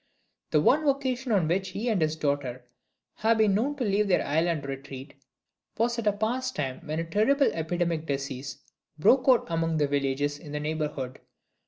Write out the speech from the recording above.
The one occasion on which he and his daughter have been known to leave their island retreat was at a past time when a terrible epidemic disease broke out among the villages in the neighborhood.